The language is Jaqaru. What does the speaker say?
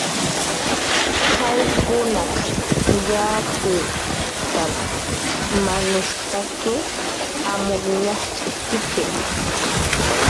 "Qayllkunaq yatxutar manushp""taki amur ñajch'ishki"